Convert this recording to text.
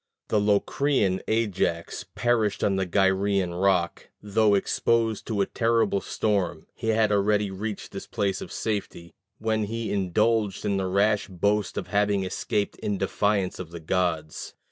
The Locrian Ajax perished on the Gyræan rock. Though exposed to a terrible storm, he had already reached this place of safety, when he indulged in the rash boast of having escaped in defiance of the gods.